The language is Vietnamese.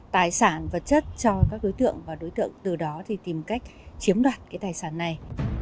tài sản vật chất cho các đối tượng và đối tượng từ đó thì tìm cách chiếm đoạt cái tài sản này